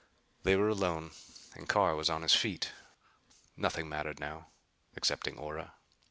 They were alone and Carr was on his feet. Nothing mattered now excepting Ora.